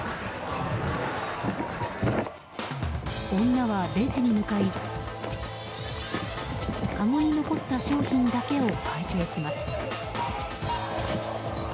女はレジに向かいかごに残った商品だけを会計します。